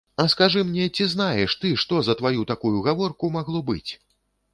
А скажы мне, ці знаеш ты, што за тваю такую гаворку магло быць?